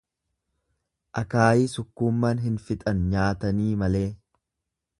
Akaayii sukkuummaan hin fixan nyaatanii malee.